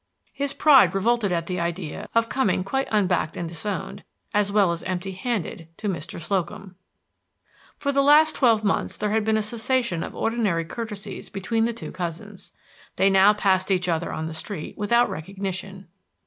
His pride revolted at the idea of coming quite unbacked and disowned, as well as empty handed, to Mr. Slocum. For the last twelve months there had been a cessation of ordinary courtesies between the two cousins. They now passed each other on the street without recognition.